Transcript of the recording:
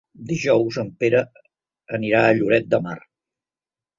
Dijous en Pere anirà a Lloret de Mar.